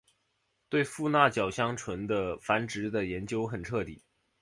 对富纳角箱鲀的繁殖的研究很彻底。